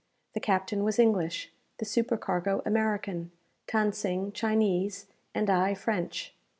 The captain was English, the supercargo American, Than Sing Chinese, and I French.